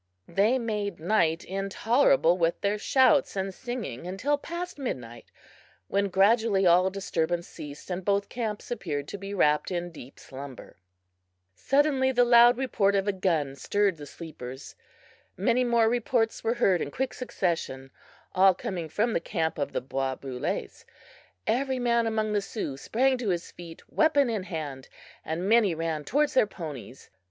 They made night intolerable with their shouts and singing until past midnight, when gradually all disturbance ceased, and both camps appeared to be wrapped in deep slumber. Suddenly the loud report of a gun stirred the sleepers. Many more reports were heard in quick succession, all coming from the camp of the bois brules. Every man among the Sioux sprang to his feet, weapon in hand, and many ran towards their ponies.